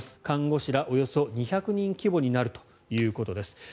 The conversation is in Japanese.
看護師らおよそ２００人規模になるということです。